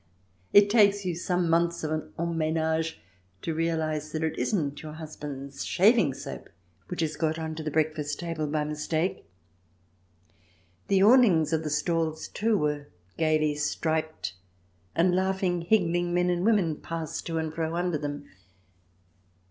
It takes you some months of en menage to realize that it isn't your husband's shaving soap which has got on to the breakfast table by mistake. The awnings of the stalls, too, were gaily striped, and laughing, higgling men and women passed to and fro under them.